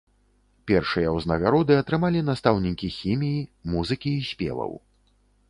Першыя ўзнагароды атрымалі настаўнікі хіміі, музыкі і спеваў.